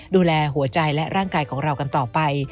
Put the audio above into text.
ดูแลหัวใจและร่างกายของเรากันต่อไป